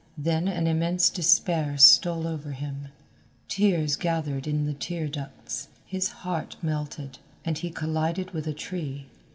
Then an immense despair stole over him, tears gathered in the tear ducts, his heart melted, and he collided with a tree.